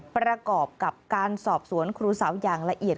ประกอบกับการสอบสวนครูสาวอย่างละเอียด